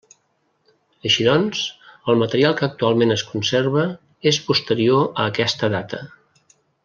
Així doncs, el material que actualment es conserva és posterior a aquesta data.